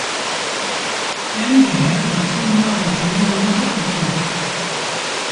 Em bi hev re çûn nava zeviya wan a biçûk.